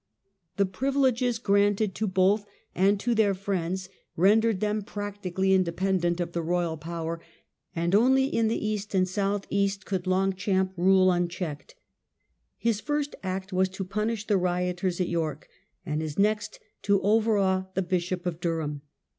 The privileges granted to both, and to their friends, rendered them practically indepen dent of the royal power; and only in the east and south east could Longchamp rule unchecked. His first act was to punish the rioters at York, and his next to overawe the Bishop of Durham.